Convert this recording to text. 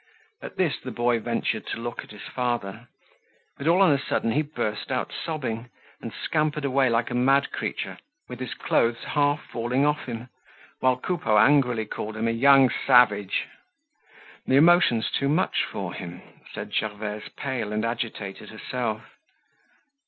At this the boy ventured to look at his father; but all on a sudden he burst out sobbing and scampered away like a mad creature with his clothes half falling off him, whilst Coupeau angrily called him a young savage. "The emotion's too much for him," said Gervaise, pale and agitated herself.